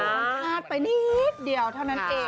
พลาดไปนิดเดียวเท่านั้นเองนะครับ